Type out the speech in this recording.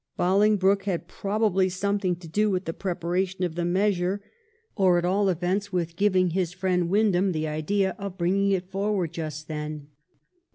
Bohngbroke had probably something to do with the preparation of the measure, or, at all events, with giving his friend Windham the idea of bringing it forward just then.